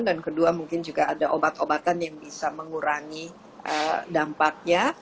dan kedua mungkin juga ada obat obatan yang bisa mengurangi dampaknya